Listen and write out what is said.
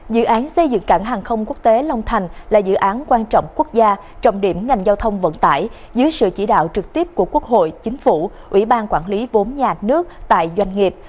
dự án xây dựng cảng hàng không quốc tế long thành là dự án quan trọng quốc gia trọng điểm ngành giao thông vận tải dưới sự chỉ đạo trực tiếp của quốc hội chính phủ ủy ban quản lý vốn nhà nước tại doanh nghiệp